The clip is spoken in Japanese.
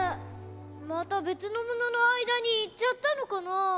またべつのもののあいだにいっちゃったのかな？